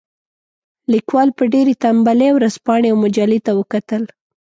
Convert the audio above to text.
لیکوال په ډېرې تنبلۍ ورځپاڼې او مجلې ته وکتل.